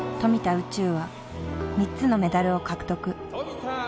宇宙は３つのメダルを獲得。